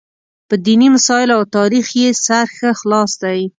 په دیني مسایلو او تاریخ یې سر ښه خلاص دی.